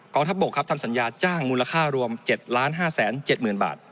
กองทัพบกทำสัญญาจ้างมูลค่ารวม๗๕๗๐๐๐๐บาท